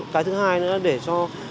cái thứ hai nữa là để cho